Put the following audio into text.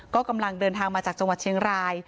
ก็กำลังเดินทางมาจากจังหวัดเชียงราย